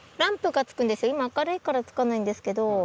今明るいからつかないんですけど。